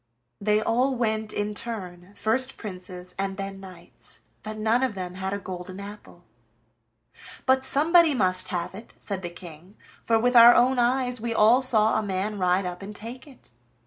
They all went in turn, first princes, and then knights, but none of them had a golden apple. "But somebody must have it," said the King, "for with our own eyes we all saw a man ride up and take it."